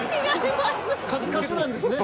カツカツなんですね。